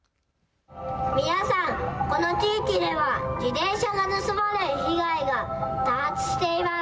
皆さん、この地域では自転車が盗まれる被害が多発しています。